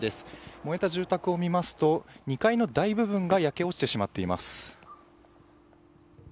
燃えた住宅を見ますと２階の大部分が焼け落ちてしまっています。